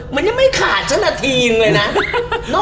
มันยังไม่ขาดชนตรียังไงนะ